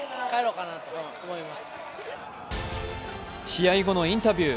試合後のインタビュー